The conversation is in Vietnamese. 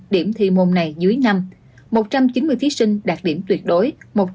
điểm thi môn này dưới năm